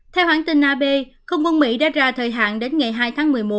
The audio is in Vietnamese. theo hoãn tin ab công quân mỹ đã ra thời hạn đến ngày hai tháng một mươi một